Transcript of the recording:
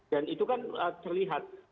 dan itu kan terlihat